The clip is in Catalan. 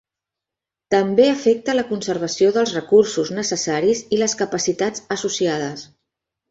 També afecta la conservació dels recursos necessaris i les capacitats associades.